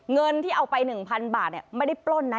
เงินที่เอาไป๑๐๐๐บาทไม่ได้ปล้นนะ